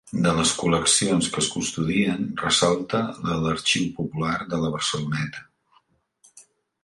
De les col·leccions que es custodien, ressalta la de l'Arxiu Popular de la Barceloneta.